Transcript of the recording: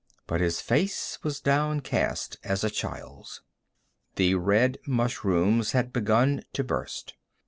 But his face was downcast as a child's. The red mushrooms had begun to burst.